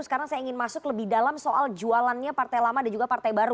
sekarang saya ingin masuk lebih dalam soal jualannya partai lama dan juga partai baru